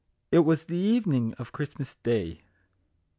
IT was the evening of Christmas Day.